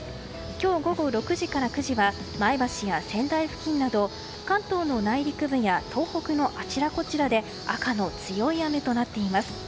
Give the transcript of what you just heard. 今日午後６時から９時は前橋や仙台付近など関東の内陸部や東北のあちらこちらで赤の強い雨となっています。